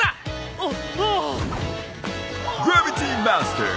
あっ。